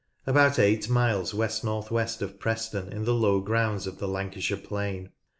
About eight miles west north west of Preston, in the low grounds of the Lancashire plain.